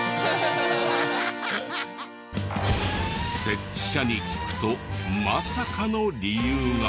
設置者に聞くとまさかの理由が！